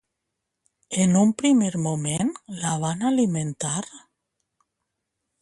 En un primer moment, la van alimentar?